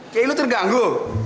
kayaknya lo terganggu